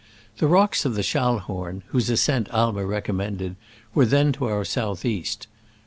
The rocks of the Schallhorn, whose ascent Aimer recommended, were then to our south east.